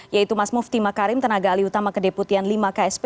yaitu mas mufti makarim tenaga alih utama kedeputian lima ksp